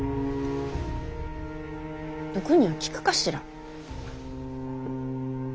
毒には効くかしら。